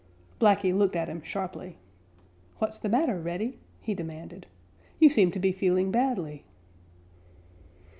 Blacky looked at him sharply. "What's the matter, Reddy?" he demanded. "You seem to be feeling badly."